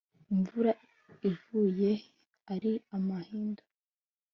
imvura iguye ari amahindu